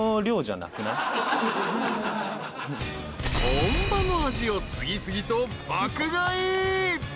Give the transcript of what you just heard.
［本場の味を次々と爆買い］